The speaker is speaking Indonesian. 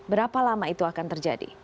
berapa lama itu akan terjadi